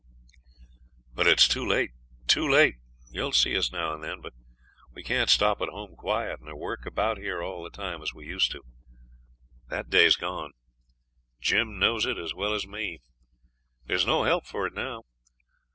'But it's too late too late! You'll see us now and then; but we can't stop at home quiet, nor work about here all the time as we used to do. That day's gone. Jim knows it as well as me. There's no help for it now.